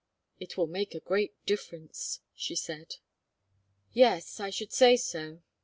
"It will make a great difference," she said. "Yes, I should say so.